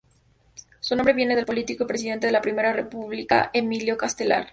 Su nombre viene del político y presidente de la Primera República Emilio Castelar.